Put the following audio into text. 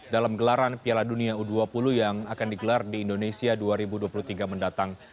dalam gelaran piala dunia u dua puluh yang akan digelar di indonesia dua ribu dua puluh tiga mendatang